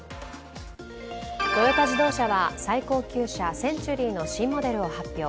トヨタ自動車は、最高級車センチュリーの新モデルを発表。